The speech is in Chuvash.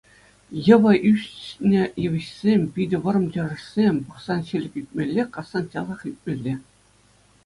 Йӑвӑ ӳснӗ йывӑҫсем, питӗ вӑрӑм чӑрӑшсем, пӑхсан — ҫӗлӗк ӳкмелле, кассан — часах ӳкмелле.